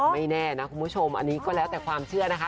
ไม่แน่นะคุณผู้ชมอันนี้ก็แล้วแต่ความเชื่อนะคะ